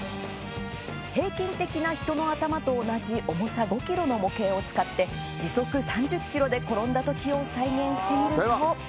平均的な人の頭と同じ重さ５ｋｇの模型を使って時速３０キロで転んだ時を再現してみると。